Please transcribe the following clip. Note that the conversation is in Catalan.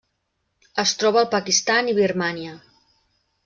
Es troba al Pakistan i Birmània.